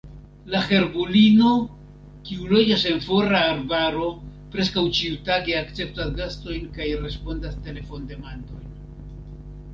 La herbulino, kiu loĝas en fora arbaro, preskaŭ ĉiutage akceptas gastojn kaj respondas telefondemandojn.